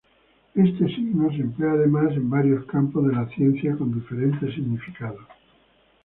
Este signo se emplea además en varios campos de la ciencia con diferentes significados.